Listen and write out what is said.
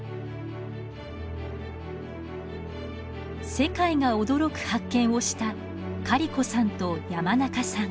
世界が驚く発見をしたカリコさんと山中さん。